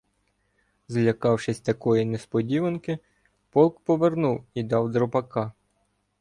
Злякавшись такої несподіванки, полк повернув і дав дропака.